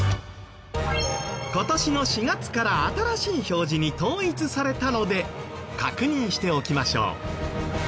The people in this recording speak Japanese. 今年の４月から新しい表示に統一されたので確認しておきましょう。